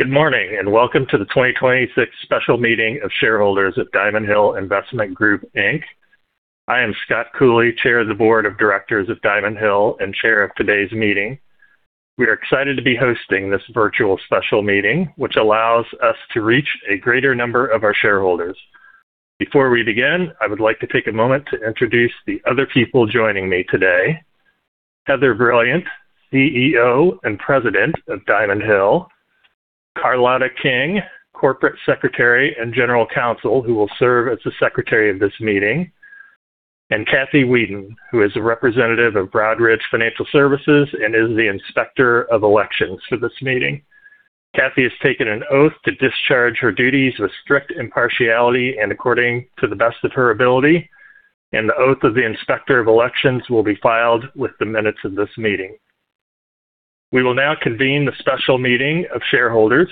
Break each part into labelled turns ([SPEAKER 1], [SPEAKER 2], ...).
[SPEAKER 1] Good morning. Welcome to the 2026 Special Meeting of Shareholders of Diamond Hill Investment Group, Inc. I am Scott Cooley, Chair of the Board of Directors of Diamond Hill and chair of today's meeting. We are excited to be hosting this virtual special meeting, which allows us to reach a greater number of our shareholders. Before we begin, I would like to take a moment to introduce the other people joining me today. Heather Brilliant, CEO and President of Diamond Hill. Carlotta King, Corporate Secretary and General Counsel, who will serve as the secretary of this meeting. Kathy Whedon, who is a representative of Broadridge Financial Solutions and is the Inspector of Elections for this meeting. Kathy has taken an oath to discharge her duties with strict impartiality and according to the best of her ability. The oath of the Inspector of Elections will be filed with the minutes of this meeting. We will now convene the special meeting of shareholders.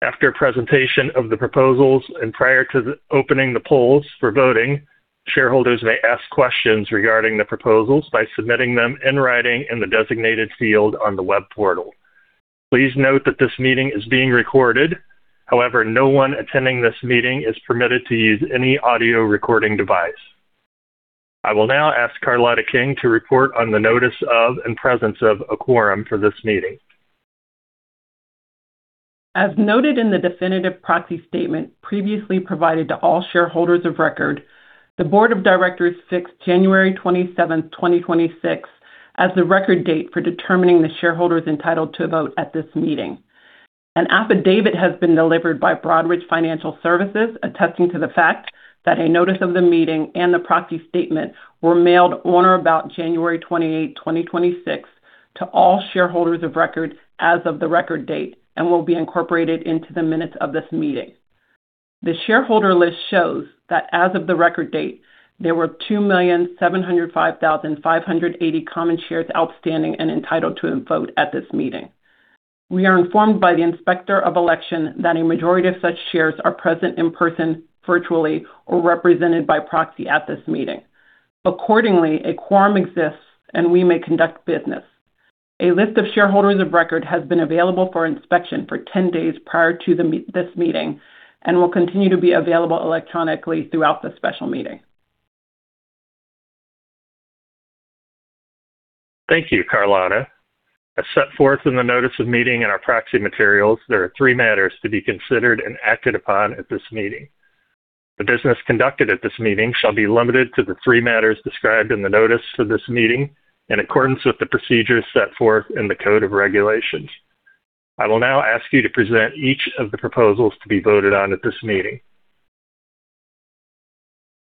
[SPEAKER 1] After presentation of the proposals and prior to the opening the polls for voting, shareholders may ask questions regarding the proposals by submitting them in writing in the designated field on the web portal. Please note that this meeting is being recorded. No one attending this meeting is permitted to use any audio recording device. I will now ask Carlotta King to report on the notice of and presence of a quorum for this meeting.
[SPEAKER 2] As noted in the definitive proxy statement previously provided to all shareholders of record, the board of directors fixed January 27, 2026 as the record date for determining the shareholders entitled to vote at this meeting. An affidavit has been delivered by Broadridge Financial Solutions attesting to the fact that a notice of the meeting and the proxy statement were mailed on or about January 28, 2026 to all shareholders of record as of the record date and will be incorporated into the minutes of this meeting. The shareholder list shows that as of the record date, there were 2,705,580 common shares outstanding and entitled to vote at this meeting. We are informed by the Inspector of Elections that a majority of such shares are present in person, virtually, or represented by proxy at this meeting. Accordingly, a quorum exists, and we may conduct business. A list of shareholders of record has been available for inspection for 10 days prior to this meeting and will continue to be available electronically throughout the special meeting.
[SPEAKER 1] Thank you, Carlotta. As set forth in the notice of meeting and our proxy materials, there are three matters to be considered and acted upon at this meeting. The business conducted at this meeting shall be limited to the three matters described in the notice for this meeting in accordance with the procedures set forth in the code of regulations. I will now ask you to present each of the proposals to be voted on at this meeting.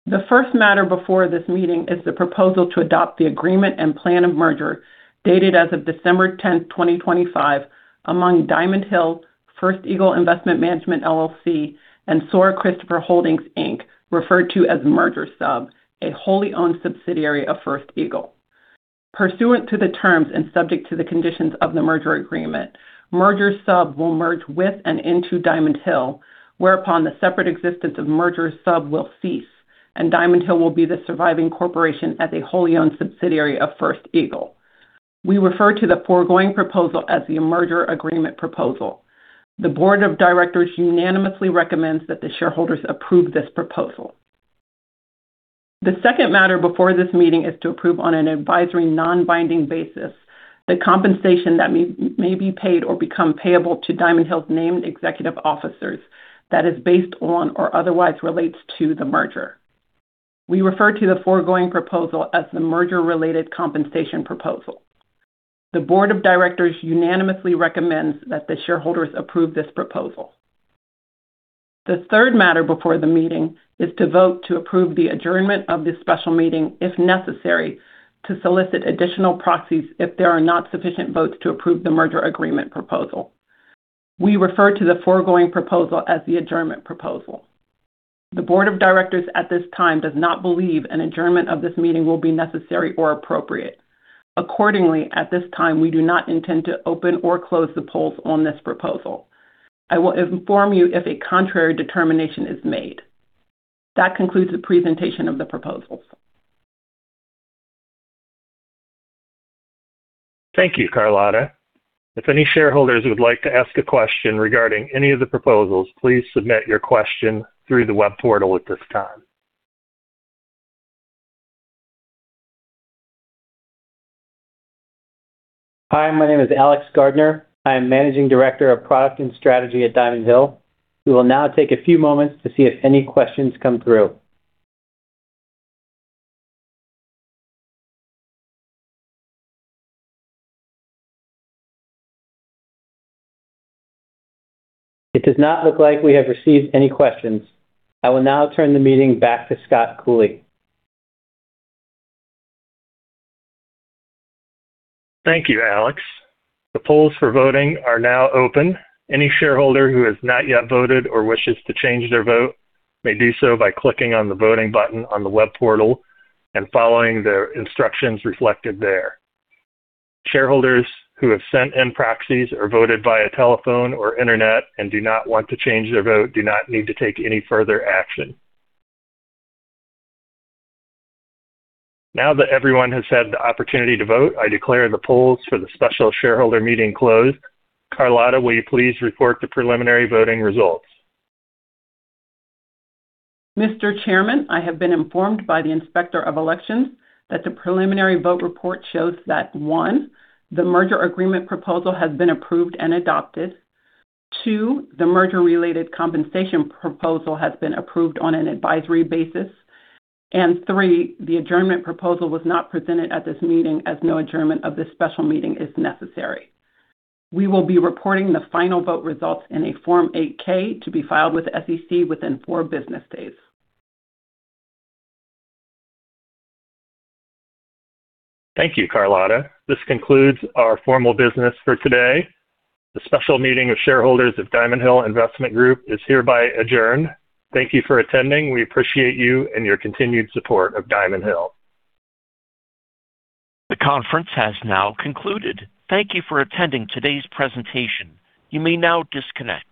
[SPEAKER 2] The first matter before this meeting is the proposal to adopt the Agreement and Plan of Merger dated as of December 10, 2025 among Diamond Hill, First Eagle Investment Management, LLC, and Soar Christopher Holdings, Inc., referred to as Merger Sub, a wholly owned subsidiary of First Eagle. Pursuant to the terms and subject to the conditions of the merger agreement, Merger Sub will merge with and into Diamond Hill, whereupon the separate existence of Merger Sub will cease, and Diamond Hill will be the surviving corporation as a wholly owned subsidiary of First Eagle. We refer to the foregoing proposal as the merger agreement proposal. The board of directors unanimously recommends that the shareholders approve this proposal. The second matter before this meeting is to approve on an advisory non-binding basis the compensation that may be paid or become payable to Diamond Hill's named executive officers that is based on or otherwise relates to the merger. We refer to the foregoing proposal as the merger-related compensation proposal. The board of directors unanimously recommends that the shareholders approve this proposal. The third matter before the meeting is to vote to approve the adjournment of this special meeting, if necessary, to solicit additional proxies if there are not sufficient votes to approve the merger agreement proposal. We refer to the foregoing proposal as the adjournment proposal. The board of directors at this time does not believe an adjournment of this meeting will be necessary or appropriate. At this time, we do not intend to open or close the polls on this proposal. I will inform you if a contrary determination is made. That concludes the presentation of the proposals.
[SPEAKER 1] Thank you, Carlotta. If any shareholders would like to ask a question regarding any of the proposals, please submit your question through the web portal at this time.
[SPEAKER 3] Hi, my name is Alex Gardner. I am Managing Director of Product and Strategy at Diamond Hill. We will now take a few moments to see if any questions come through. It does not look like we have received any questions. I will now turn the meeting back to Scott Cooley.
[SPEAKER 1] Thank you, Alex. The polls for voting are now open. Any shareholder who has not yet voted or wishes to change their vote may do so by clicking on the voting button on the web portal and following the instructions reflected there. Shareholders who have sent in proxies or voted via telephone or internet and do not want to change their vote do not need to take any further action. Now that everyone has had the opportunity to vote, I declare the polls for the special shareholder meeting closed. Carlotta, will you please report the preliminary voting results.
[SPEAKER 2] Mr. Chairman, I have been informed by the Inspector of Elections that the preliminary vote report shows that, One, the merger agreement proposal has been approved and adopted. Two, the merger-related compensation proposal has been approved on an advisory basis. Three, the adjournment proposal was not presented at this meeting as no adjournment of this special meeting is necessary. We will be reporting the final vote results in a Form 8-K to be filed with the SEC within four business days.
[SPEAKER 1] Thank you, Carlotta. This concludes our formal business for today. The special meeting of shareholders of Diamond Hill Investment Group is hereby adjourned. Thank you for attending. We appreciate you and your continued support of Diamond Hill.
[SPEAKER 4] The conference has now concluded. Thank you for attending today's presentation. You may now disconnect.